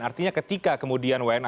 artinya ketika kemudian wni ini muncul